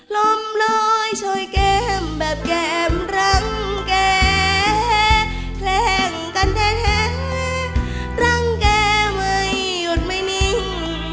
ลมลอยช่วยแก้มแบบแก้มรังแก่แคล้งกันแท้รังแกไม่หยุดไม่นิ่ง